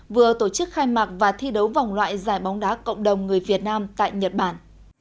vừa tổ chức khai mạc và thi đấu vòng loại giải bóng đá cộng đồng người việt nam tại nhật bản